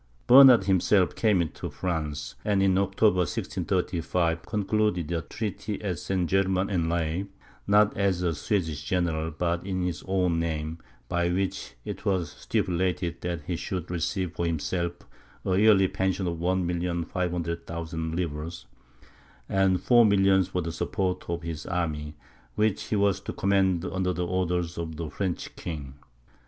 Bernard himself came into France, and in October, 1635, concluded a treaty at St. Germaine en Laye, not as a Swedish general, but in his own name, by which it was stipulated that he should receive for himself a yearly pension of one million five hundred thousand livres, and four millions for the support of his army, which he was to command under the orders of the French king.